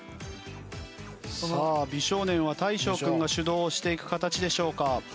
さあ美少年は大昇君が主導していく形でしょうか？